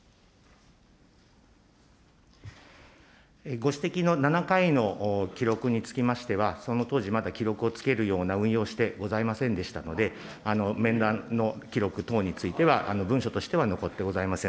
ご指摘の７回の記録につきましては、その当時、まだ記録をつけるような運用してございませんでしたので、面談の記録等については、文書としては残ってございません。